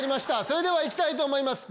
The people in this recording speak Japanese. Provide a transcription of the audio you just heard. それでは行きたいと思います